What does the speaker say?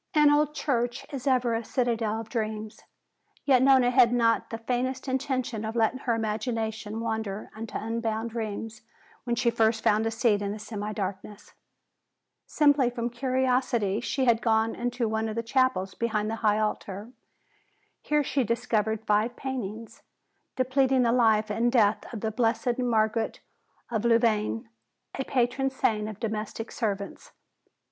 An old church is ever a citadel of dreams. Yet Nona had not the faintest intention of letting her imagination wander into unbounded realms when she first found a seat in the semi darkness. Simply from curiosity she had gone into one of the chapels behind the high altar. Here she discovered five paintings, depicting the life and death of the blessed Margaret of Louvain, the patron saint of domestic servants.